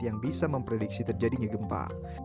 yang bisa memprediksi terjadinya gempa